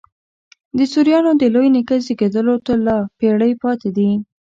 د سوریانو د لوی نیکه زېږېدلو ته لا پېړۍ پاته دي.